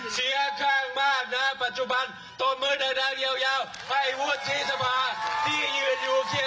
เสียข้างมากในปัจจุบันต้มมือดักยาวให้วุฒิสภาที่ยืนอยู่เคียงข้างประชาชน